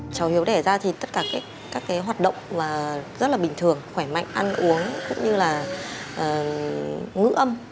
cháu hiếu đẻ ra thì tất cả các cái hoạt động rất là bình thường khỏe mạnh ăn uống cũng như là ngữ âm